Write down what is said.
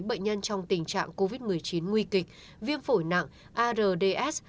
bệnh nhân trong tình trạng covid một mươi chín nguy kịch viêm phổi nặng ards